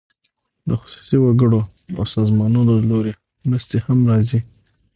د خصوصي وګړو او سازمانونو له لوري مرستې هم راځي.